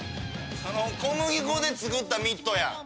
小麦粉で作ったミットやん。